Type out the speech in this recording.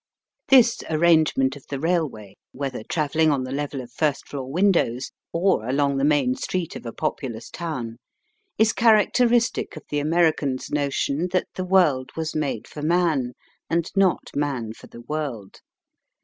This arrangement of the railway, whether travelling on the level of first floor windows or along the main street of a populous town, is characteristic of the American's notion that the world was made for man, and not man for the world.